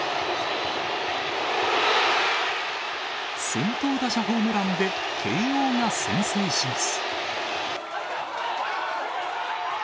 先頭打者ホームランで慶応が先制します。